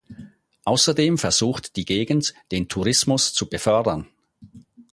Außerdem versucht die Gegend, den Tourismus zu befördern.